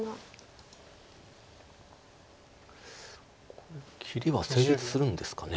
ここの切りは成立するんですか。